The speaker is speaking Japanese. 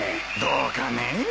どうかねえ。